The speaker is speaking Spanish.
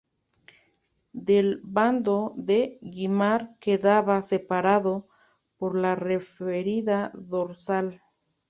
Del bando de Güímar quedaba separado por la referida dorsal.